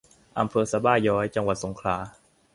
อำเภอสะบ้าย้อย จังหวัดสงขลา